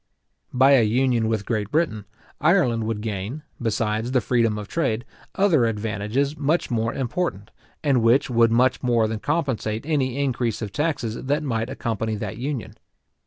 By a union with Great Britain, Ireland would gain, besides the freedom of trade, other advantages much more important, and which would much more than compensate any increase of taxes that might accompany that union.